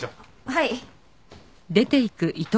はい。